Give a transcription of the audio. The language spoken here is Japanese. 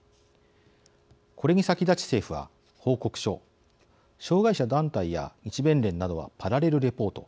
これに先立ち政府は報告書障害者団体や日弁連などはパラレルレポート。